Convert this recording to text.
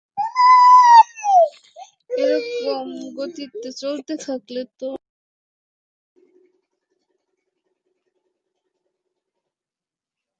এরকম গতিতে চলতে থাকলে তো অনেক কম সময়ে আমরা পৌঁছে যাব!